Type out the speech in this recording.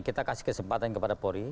kita kasih kesempatan kepada polri